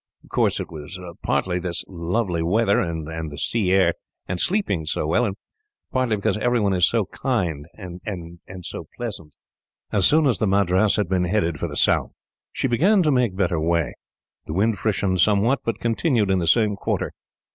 Of course, it is partly this lovely weather and the sea air, and sleeping so well; and partly because everyone is so kind and pleasant." As soon as the Madras had been headed for the south, she began to make better way. The wind freshened somewhat, but continued in the same quarter.